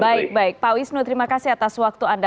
baik baik pak wisnu terima kasih atas waktu anda